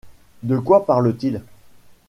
De quoi parle-t-il ?